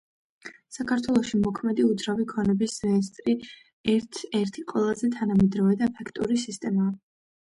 საქართველოში მოქმედი უძრავი ქონების რეესტრი ერთ-ერთი ყველაზე თანამედროვე და ეფექტური სისტემაა.